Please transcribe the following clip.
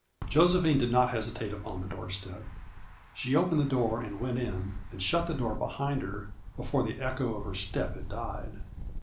Josephine did not hesitate upon the doorstep. She opened the door and went in, and shut the door behind her before the echo of her step had died.